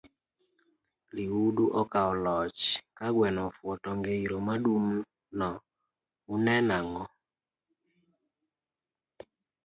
Ka mach owango oitema lihudu okao loch, kagweno ofuwo tongeiro madum no, unene ango?